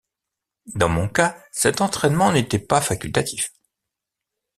Dans mon cas, cet entraînement n’était pas facultatif.